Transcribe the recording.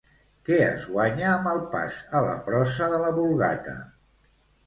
Què es guanya amb el pas a la prosa de la Vulgata?